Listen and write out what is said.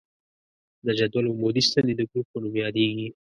د جدول عمودي ستنې د ګروپ په نوم یادیږي.